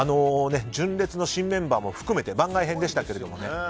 純烈の新メンバーも含めて番外編でしたが。